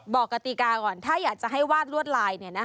บอกกติกาก่อนถ้าอยากจะให้วาดรวดไลน์เนี่ยนะค่ะ